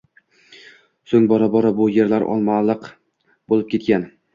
Soʻng bora-bora bu yerlar “Olmaliq” boʻlib ketgan